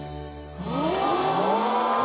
うわ！